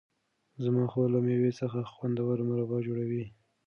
زما خور له مېوو څخه خوندور مربا جوړوي.